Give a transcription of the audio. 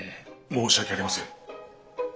申し訳ありません。